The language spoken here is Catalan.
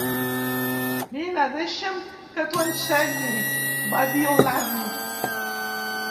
"Vine, deixa'm que t'ho ensenyi", va dir l'Ann.